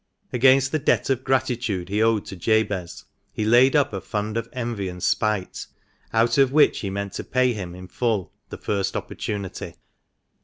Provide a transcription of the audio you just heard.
Against the debt of gratitude he owed to Jabez he laid up a fund of envy and spite, out of which he meant to pay him in full the first opportunity.